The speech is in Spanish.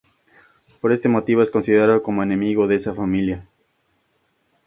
Por este motivo es considerado como enemigo de esa familia.